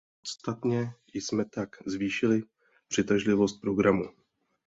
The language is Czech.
Podstatně jsme tak zvýšili přitažlivost programu.